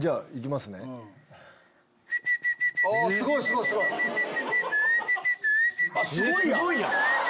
すごいやん！